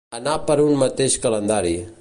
Anar per un mateix calendari.